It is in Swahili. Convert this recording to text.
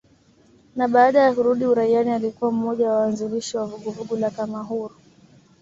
Na baada ya kurudi uraiani alikuwa mmoja wa waanzilishi wa vuguvugu la kamahuru